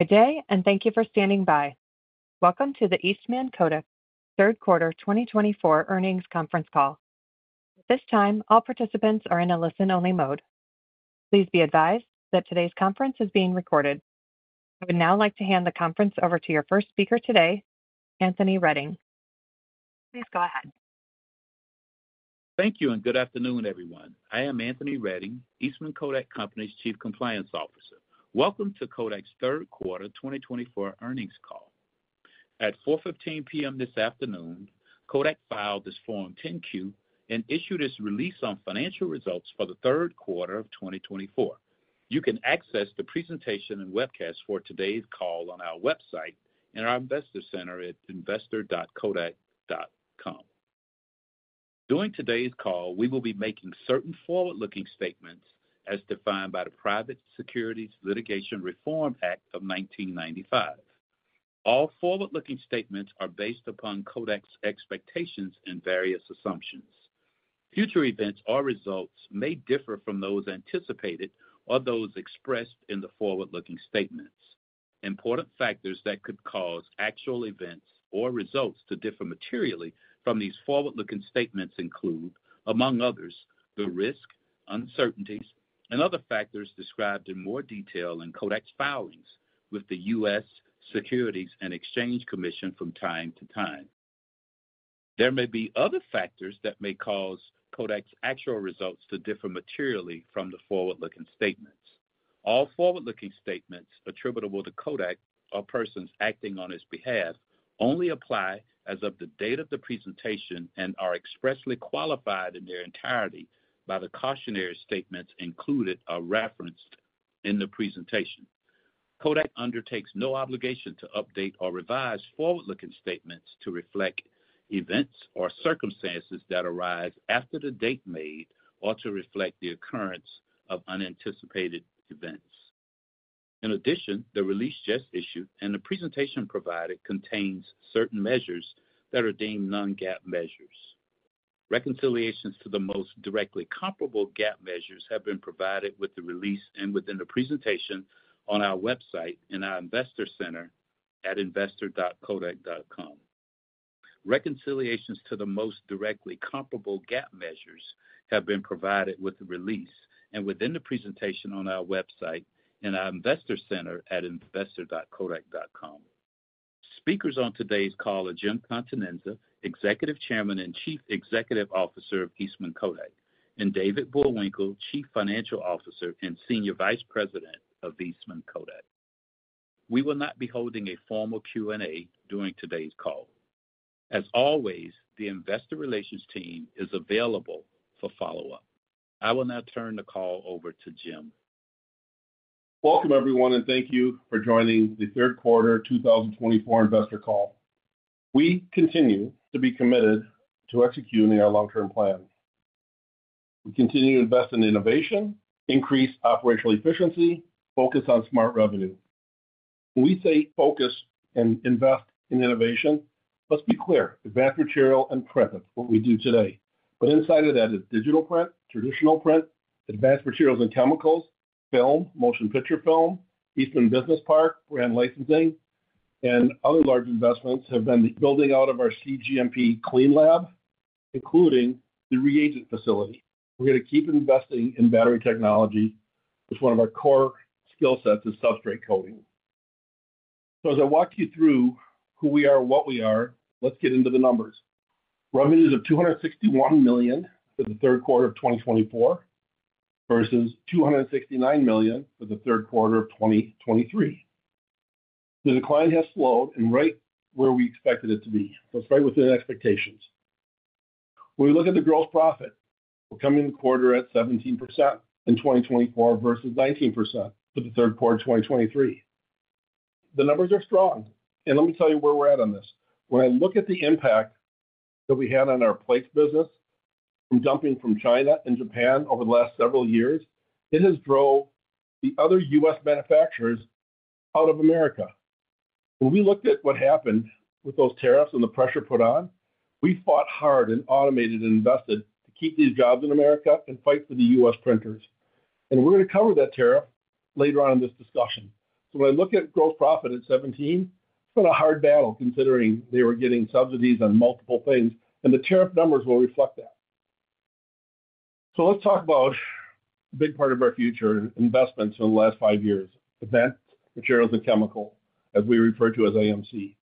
Good day, and thank you for standing by. Welcome to the Eastman Kodak Q3 2024 earnings conference call. At this time, all participants are in a listen-only mode. Please be advised that today's conference is being recorded. I would now like to hand the conference over to your first speaker today, Anthony Redding. Please go ahead. Thank you, and good afternoon, everyone. I am Anthony Redding, Eastman Kodak Company's Chief Compliance Officer. Welcome to Kodak's Q3 2024 earnings call. At 4:15 P.M. this afternoon, Kodak filed its Form 10-Q and issued its release on financial results for the Q3 of 2024. You can access the presentation and webcast for today's call on our website and our investor center at investor.kodak.com. During today's call, we will be making certain forward-looking statements as defined by the Private Securities Litigation Reform Act of 1995. All forward-looking statements are based upon Kodak's expectations and various assumptions. Future events or results may differ from those anticipated or those expressed in the forward-looking statements. Important factors that could cause actual events or results to differ materially from these forward-looking statements include, among others, the risk, uncertainties, and other factors described in more detail in Kodak's filings with the U.S. Securities and Exchange Commission from time to time. There may be other factors that may cause Kodak's actual results to differ materially from the forward-looking statements. All forward-looking statements attributable to Kodak or persons acting on its behalf only apply as of the date of the presentation and are expressly qualified in their entirety by the cautionary statements included or referenced in the presentation. Kodak undertakes no obligation to update or revise forward-looking statements to reflect events or circumstances that arise after the date made or to reflect the occurrence of unanticipated events. In addition, the release just issued and the presentation provided contains certain measures that are deemed non-GAAP measures. Reconciliations to the most directly comparable GAAP measures have been provided with the release and within the presentation on our website and our investor center at investor.kodak.com. Reconciliations to the most directly comparable GAAP measures have been provided with the release and within the presentation on our website and our investor center at investor.kodak.com. Speakers on today's call are Jim Continenza, Executive Chairman and Chief Executive Officer of Eastman Kodak, and David Bullwinkle, Chief Financial Officer and Senior Vice President of Eastman Kodak. We will not be holding a formal Q&A during today's call. As always, the investor relations team is available for follow-up. I will now turn the call over to Jim. Welcome, everyone, and thank you for joining the Q3 2024 investor call. We continue to be committed to executing our long-term plan. We continue to invest in innovation, increase operational efficiency, and focus on smart revenue. When we say focus and invest in innovation, let's be clear: advanced material and print is what we do today, but inside of that is digital print, traditional print, Advanced Materials and Chemicals, film, motion picture film, Eastman Business Park, brand licensing, and other large investments have been the building out of our cGMP Clean Lab, including the reagent facility. We're going to keep investing in battery technology, which is one of our core skill sets of substrate coating, so as I walk you through who we are and what we are, let's get into the numbers. Revenues of $261 million for the Q3 of 2024 versus $269 million for the Q3 of 2023. The decline has slowed and is right where we expected it to be. That's right within expectations. When we look at the gross profit, we're coming to the quarter at 17% in 2024 versus 19% for theQ3 of 2023. The numbers are strong. And let me tell you where we're at on this. When I look at the impact that we had on our plates business from dumping from China and Japan over the last several years, it has drove the other U.S. manufacturers out of America. When we looked at what happened with those tariffs and the pressure put on, we fought hard and automated and invested to keep these jobs in America and fight for the U.S. printers. We're going to cover that tariff later on in this discussion. When I look at gross profit at 17, it's been a hard battle considering they were getting subsidies on multiple things, and the tariff numbers will reflect that. Let's talk about a big part of our future investments in the last five years: advanced materials and chemicals, as we refer to as AMC,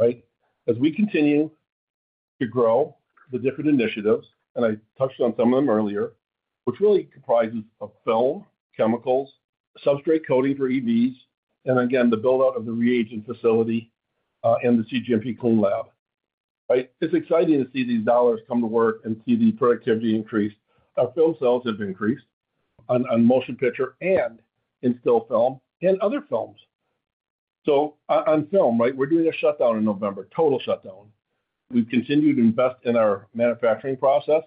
right? As we continue to grow the different initiatives, and I touched on some of them earlier, which really comprises film, chemicals, substrate coating for EVs, and again, the build-out of the reagent facility and the cGMP Clean Lab, right? It's exciting to see these dollars come to work and see the productivity increase. Our film sales have increased on motion picture and in still film and other films. On film, right, we're doing a shutdown in November, total shutdown. We've continued to invest in our manufacturing process,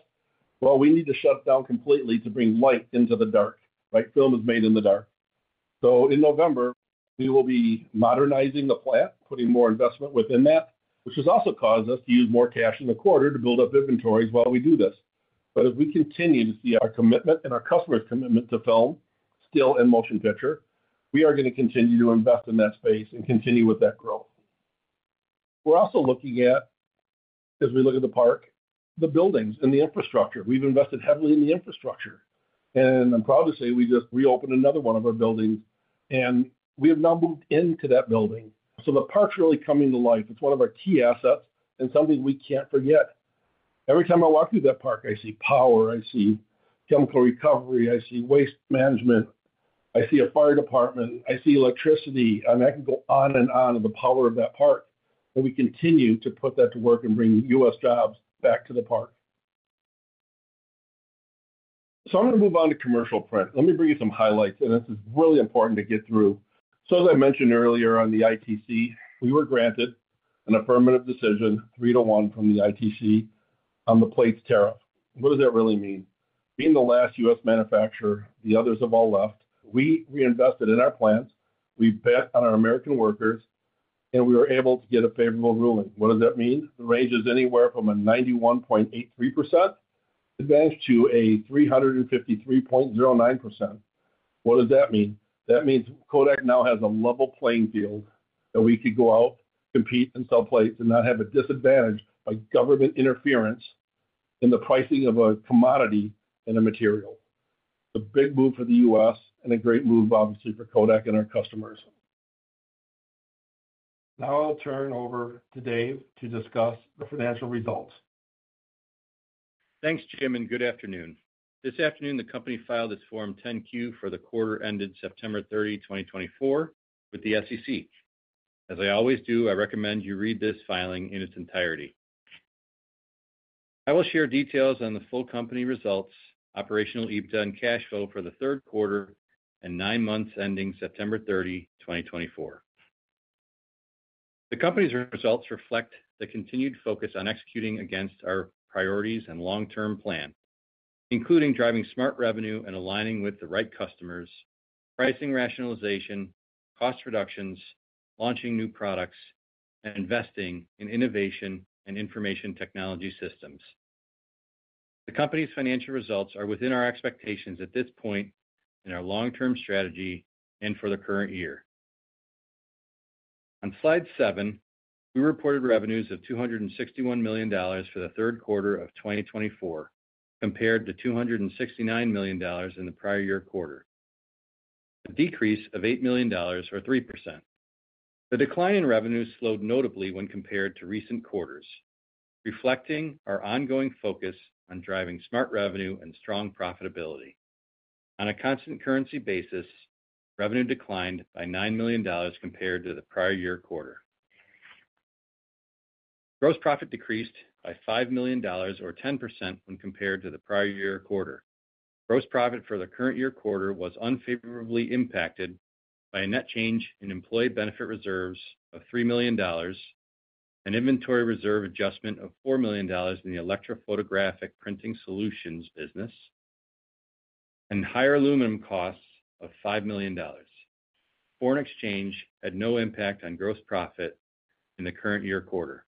well, we need to shut down completely to bring light into the dark, right? Film is made in the dark, so, in November, we will be modernizing the plant, putting more investment within that, which has also caused us to use more cash in the quarter to build up inventories while we do this, but if we continue to see our commitment and our customers' commitment to film, still, and motion picture, we are going to continue to invest in that space and continue with that growth. We're also looking at, as we look at the park, the buildings and the infrastructure. We've invested heavily in the infrastructure, and I'm proud to say we just reopened another one of our buildings, and we have now moved into that building, so, the park's really coming to life. It's one of our key assets and something we can't forget. Every time I walk through that park, I see power, I see chemical recovery, I see waste management, I see a fire department, I see electricity, and I can go on and on of the power of that park. And we continue to put that to work and bring U.S. jobs back to the park. So, I'm going to move on to commercial print. Let me bring you some highlights, and this is really important to get through. So, as I mentioned earlier on the ITC, we were granted an affirmative decision, three to one from the ITC, on the plates tariff. What does that really mean? Being the last U.S. manufacturer, the others have all left. We reinvested in our plants. We bet on our American workers, and we were able to get a favorable ruling. What does that mean? The range is anywhere from a 91.83%-353.09%. What does that mean? That means Kodak now has a level playing field that we could go out, compete, and sell plates and not have a disadvantage by government interference in the pricing of a commodity and a material. It's a big move for the U.S. and a great move, obviously, for Kodak and our customers. Now I'll turn over to Dave to discuss the financial results. Thanks, Jim, and good afternoon. This afternoon, the company filed its Form 10-Q for the quarter ended September 30, 2024, with the SEC. As I always do, I recommend you read this filing in its entirety. I will share details on the full company results, Operational EBITDA and cash flow for the Q3 and nine months ending September 30, 2024. The company's results reflect the continued focus on executing against our priorities and long-term plan, including driving smart revenue and aligning with the right customers, pricing rationalization, cost reductions, launching new products, and investing in innovation and information technology systems. The company's financial results are within our expectations at this point in our long-term strategy and for the current year. On slide seven, we reported revenues of $261 million for the Q3 of 2024 compared to $269 million in the prior year quarter, a decrease of $8 million or 3%. The decline in revenues slowed notably when compared to recent quarters, reflecting our ongoing focus on driving smart revenue and strong profitability. On a constant currency basis, revenue declined by $9 million compared to the prior year quarter. Gross profit decreased by $5 million or 10% when compared to the prior year quarter. Gross profit for the current year quarter was unfavorably impacted by a net change in employee benefit reserves of $3 million, an inventory reserve adjustment of $4 million in the Electrophotographic Printing Solutions business, and higher aluminum costs of $5 million. Foreign exchange had no impact on gross profit in the current year quarter.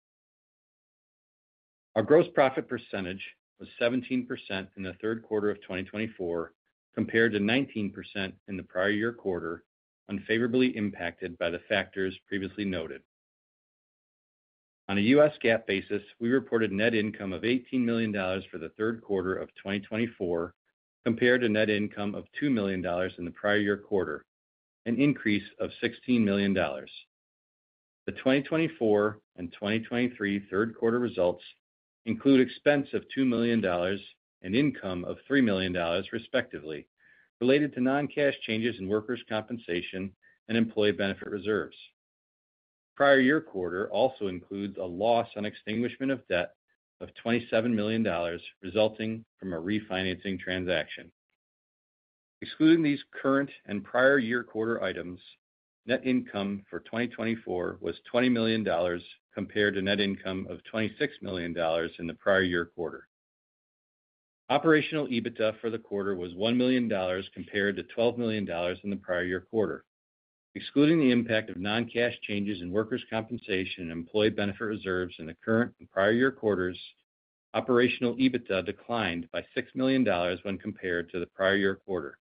Our gross profit percentage was 17% in the Q3 of 2024 compared to 19% in the prior year quarter, unfavorably impacted by the factors previously noted. On a U.S. GAAP basis, we reported net income of $18 million for the Q3 of 2024 compared to net income of $2 million in the prior year quarter, an increase of $16 million. The 2024 and 2023 Q3 results include expense of $2 million and income of $3 million, respectively, related to non-cash changes in workers' compensation and employee benefit reserves. The prior year quarter also includes a loss on extinguishment of debt of $27 million resulting from a refinancing transaction. Excluding these current and prior year quarter items, net income for 2024 was $20 million compared to net income of $26 million in the prior year quarter. Operational EBITDA for the quarter was $1 million compared to $12 million in the prior year quarter. Excluding the impact of non-cash changes in workers' compensation and employee benefit reserves in the current and prior year quarters, operational EBITDA declined by $6 million when compared to the prior year quarter.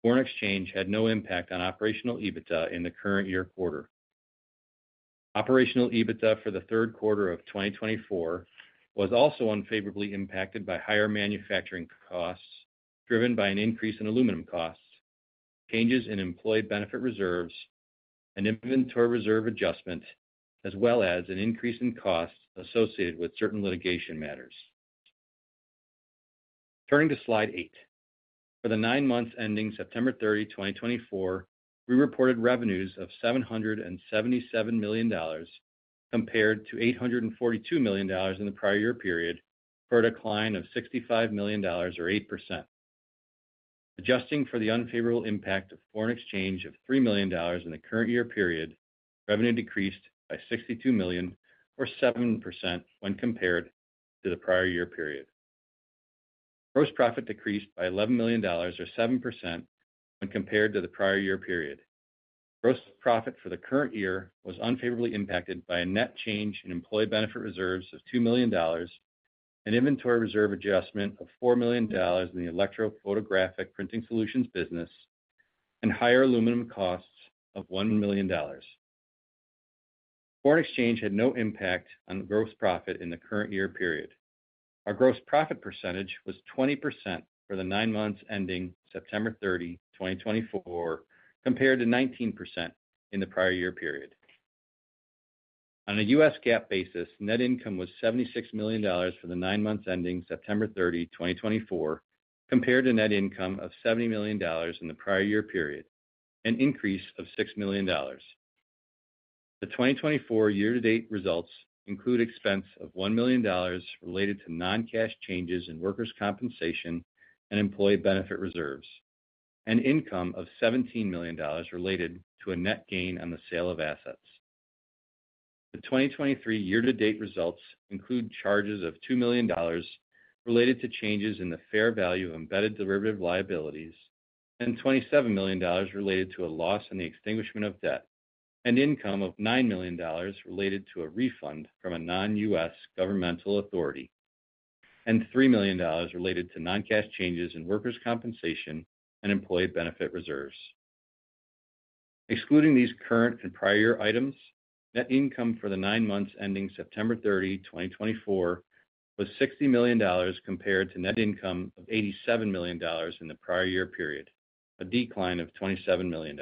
Foreign exchange had no impact on operational EBITDA in the current year quarter. Operational EBITDA for the Q3 of 2024 was also unfavorably impacted by higher manufacturing costs driven by an increase in aluminum costs, changes in employee benefit reserves, an inventory reserve adjustment, as well as an increase in costs associated with certain litigation matters. Turning to slide eight, for the nine months ending September 30, 2024, we reported revenues of $777 million compared to $842 million in the prior year period for a decline of $65 million or 8%. Adjusting for the unfavorable impact of foreign exchange of $3 million in the current year period, revenue decreased by $62 million or 7% when compared to the prior year period. Gross profit decreased by $11 million or 7% when compared to the prior year period. Gross profit for the current year was unfavorably impacted by a net change in employee benefit reserves of $2 million, an inventory reserve adjustment of $4 million in the Electrophotographic Printing Solutions business, and higher aluminum costs of $1 million. Foreign exchange had no impact on gross profit in the current year period. Our gross profit percentage was 20% for the nine months ending September 30, 2024, compared to 19% in the prior year period. On a U.S. GAAP basis, net income was $76 million for the nine months ending September 30, 2024, compared to net income of $70 million in the prior year period, an increase of $6 million. The 2024 year-to-date results include expense of $1 million related to non-cash changes in workers' compensation and employee benefit reserves, and income of $17 million related to a net gain on the sale of assets. The 2023 year-to-date results include charges of $2 million related to changes in the fair value of embedded derivative liabilities, and $27 million related to a loss on the extinguishment of debt, and income of $9 million related to a refund from a non-U.S. governmental authority, and $3 million related to non-cash changes in workers' compensation and employee benefit reserves. Excluding these current and prior year items, net income for the nine months ending September 30, 2024, was $60 million compared to net income of $87 million in the prior year period, a decline of $27 million.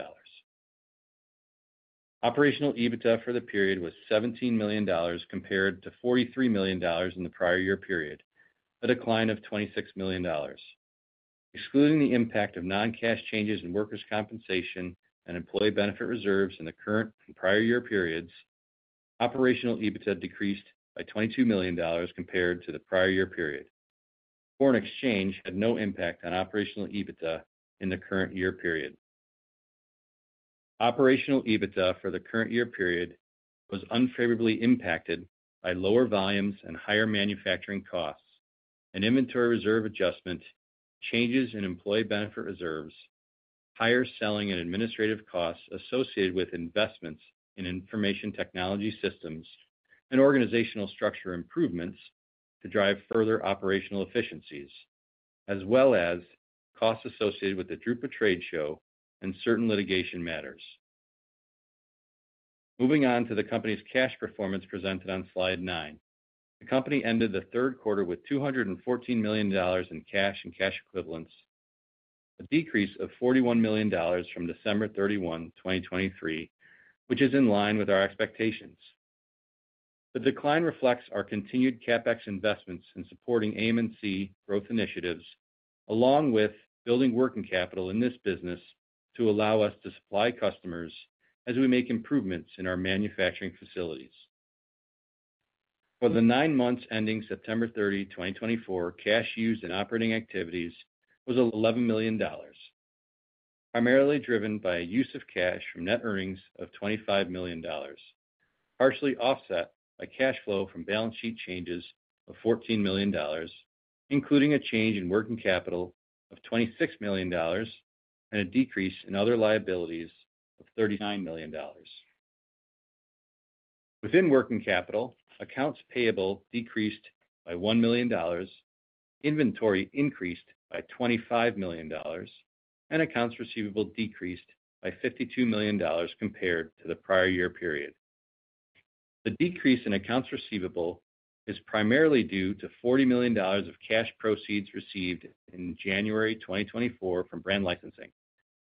Operational EBITDA for the period was $17 million compared to $43 million in the prior year period, a decline of $26 million. Excluding the impact of non-cash changes in workers' compensation and employee benefit reserves in the current and prior year periods, operational EBITDA decreased by $22 million compared to the prior year period. Foreign exchange had no impact on operational EBITDA in the current year period. Operational EBITDA for the current year period was unfavorably impacted by lower volumes and higher manufacturing costs, an inventory reserve adjustment, changes in employee benefit reserves, higher selling and administrative costs associated with investments in information technology systems and organizational structure improvements to drive further operational efficiencies, as well as costs associated with the Drupa Trade Show and certain litigation matters. Moving on to the company's cash performance presented on slide nine, the company ended the Q3 with $214 million in cash and cash equivalents, a decrease of $41 million from December 31, 2023, which is in line with our expectations. The decline reflects our continued CapEx investments in supporting AMC growth initiatives, along with building working capital in this business to allow us to supply customers as we make improvements in our manufacturing facilities. For the nine months ending September 30, 2024, cash used in operating activities was $11 million, primarily driven by a use of cash from net earnings of $25 million, partially offset by cash flow from balance sheet changes of $14 million, including a change in working capital of $26 million and a decrease in other liabilities of $39 million. Within working capital, accounts payable decreased by $1 million, inventory increased by $25 million, and accounts receivable decreased by $52 million compared to the prior year period. The decrease in accounts receivable is primarily due to $40 million of cash proceeds received in January 2024 from brand licensing.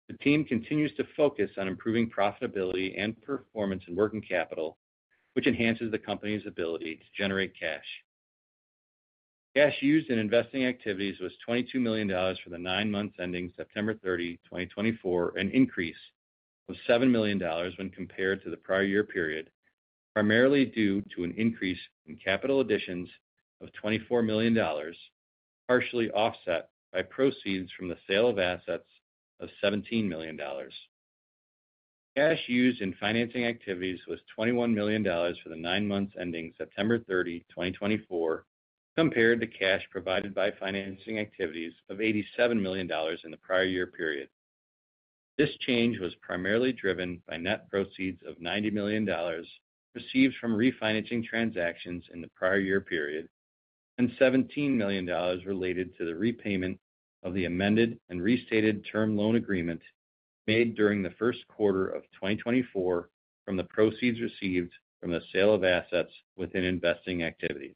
The team continues to focus on improving profitability and performance in working capital, which enhances the company's ability to generate cash. Cash used in investing activities was $22 million for the nine months ending September 30, 2024, an increase of $7 million when compared to the prior year period, primarily due to an increase in capital additions of $24 million, partially offset by proceeds from the sale of assets of $17 million. Cash used in financing activities was $21 million for the nine months ending September 30, 2024, compared to cash provided by financing activities of $87 million in the prior year period. This change was primarily driven by net proceeds of $90 million received from refinancing transactions in the prior year period and $17 million related to the repayment of the amended and restated term loan agreement made during the Q1 of 2024 from the proceeds received from the sale of assets within investing activities.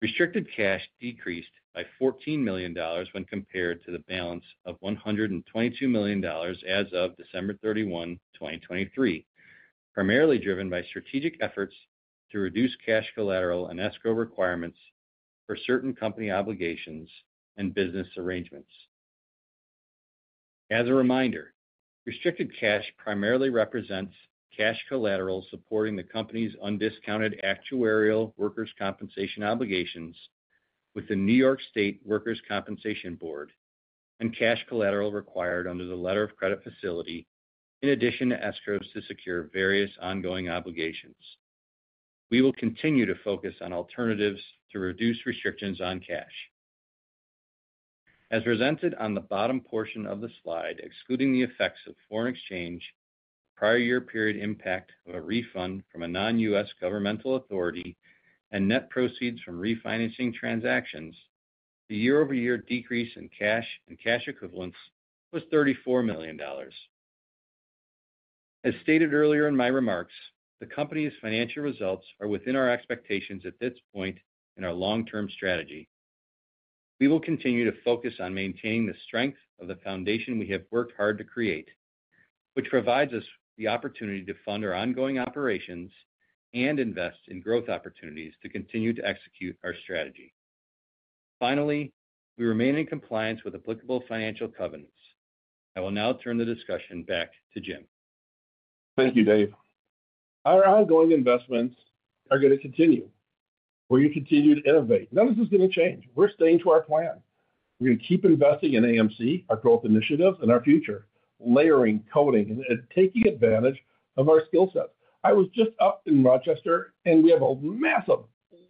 Restricted cash decreased by $14 million when compared to the balance of $122 million as of December 31, 2023, primarily driven by strategic efforts to reduce cash collateral and escrow requirements for certain company obligations and business arrangements. As a reminder, restricted cash primarily represents cash collateral supporting the company's undiscounted actuarial workers' compensation obligations with the New York State Workers' Compensation Board and cash collateral required under the letter of credit facility, in addition to escrows to secure various ongoing obligations. We will continue to focus on alternatives to reduce restrictions on cash. As presented on the bottom portion of the slide, excluding the effects of foreign exchange, the prior year period impact of a refund from a non-U.S. governmental authority, and net proceeds from refinancing transactions, the year-over-year decrease in cash and cash equivalents was $34 million. As stated earlier in my remarks, the company's financial results are within our expectations at this point in our long-term strategy. We will continue to focus on maintaining the strength of the foundation we have worked hard to create, which provides us the opportunity to fund our ongoing operations and invest in growth opportunities to continue to execute our strategy. Finally, we remain in compliance with applicable financial covenants. I will now turn the discussion back to Jim. Thank you, Dave. Our ongoing investments are going to continue. We're going to continue to innovate. None of this is going to change. We're sticking to our plan. We're going to keep investing in AMC, our growth initiatives, and our future, layering, coating, and taking advantage of our skill sets. I was just up in Rochester, and we have a massive,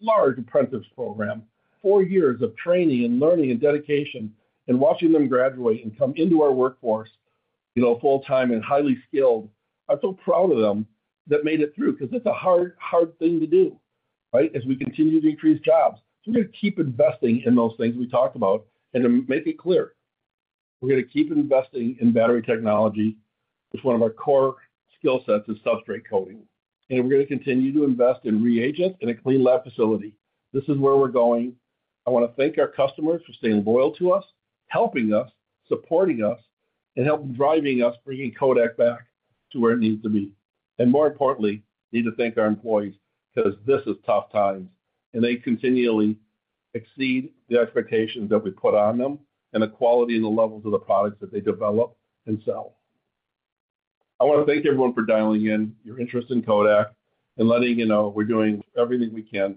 large apprentice program. Four years of training and learning and dedication and watching them graduate and come into our workforce, you know, full-time and highly skilled. I'm so proud of them that made it through because it's a hard, hard thing to do, right, as we continue to increase jobs. So we're going to keep investing in those things we talked about and to make it clear, we're going to keep investing in battery technology, which one of our core skill sets is substrate coating. And we're going to continue to invest in reagents and a clean lab facility. This is where we're going. I want to thank our customers for staying loyal to us, helping us, supporting us, and helping drive us, bringing Kodak back to where it needs to be. And more importantly, need to thank our employees because this is tough times, and they continually exceed the expectations that we put on them and the quality and the levels of the products that they develop and sell. I want to thank everyone for dialing in your interest in Kodak and letting you know we're doing everything we can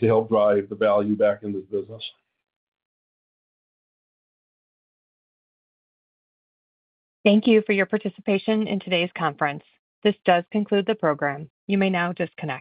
to help drive the value back in this business. Thank you for your participation in today's conference. This does conclude the program. You may now disconnect.